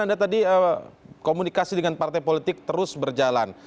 anda tadi komunikasi dengan partai politik terus berjalan